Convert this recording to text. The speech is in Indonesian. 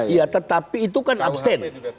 ya tetapi itu kan abstain